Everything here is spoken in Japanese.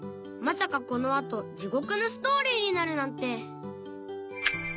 まさかこのあと地獄のストーリーになるなんて